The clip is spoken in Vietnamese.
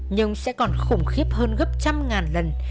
nhưng sẽ còn khủng khiếp hơn gấp trăm ngàn lần